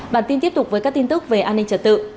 bản tin tiếp tục với các tin tức về an ninh trật tự